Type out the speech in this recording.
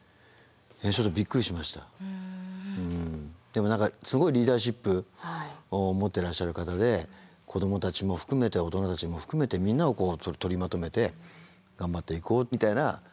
でも何かすごいリーダーシップを持っていらっしゃる方で子どもたちも含めて大人たちも含めてみんなを取りまとめて頑張っていこうみたいな。